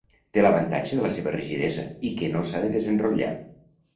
Té l'avantatge de la seva rigidesa i que no s'ha de desenrotllar.